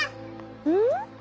うん？